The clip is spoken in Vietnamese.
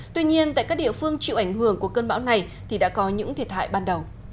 tuy nhiên tại các địa phương chịu ảnh hưởng của cơn bão này thì đã có những thiệt hại ban đầu